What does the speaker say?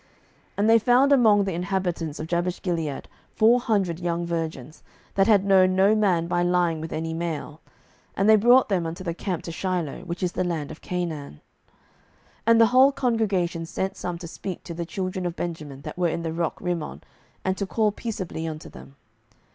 07:021:012 And they found among the inhabitants of Jabeshgilead four hundred young virgins, that had known no man by lying with any male: and they brought them unto the camp to Shiloh, which is in the land of Canaan. 07:021:013 And the whole congregation sent some to speak to the children of Benjamin that were in the rock Rimmon, and to call peaceably unto them.